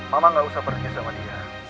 mama gak usah pergi sama dia